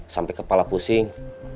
sampai kepala pusing